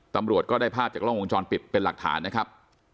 ตำรวจก็ได้ภาพจากกล้องวงจรปิดเป็นหลักฐานนะครับ